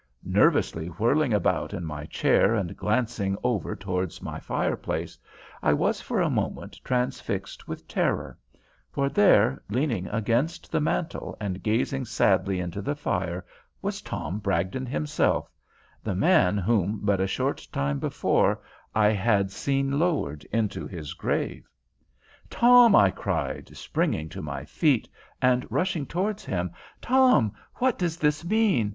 Nervously whirling about in my chair and glancing over towards my fireplace, I was for a moment transfixed with terror, for there, leaning against the mantel and gazing sadly into the fire, was Tom Bragdon himself the man whom but a short time before I had seen lowered into his grave. "Tom," I cried, springing to my feet and rushing towards him "Tom, what does this mean?